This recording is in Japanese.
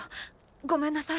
ごめんなさい。